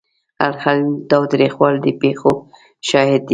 الخلیل د تاوتریخوالي د پیښو شاهد دی.